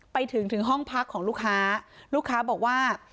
ไปถึงถึงห้องพักของลูกค้าลูกค้าบอกว่า